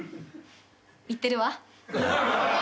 行ってるわ。